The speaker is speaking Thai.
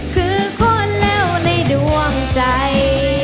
คือคนแล้วในดวงใจ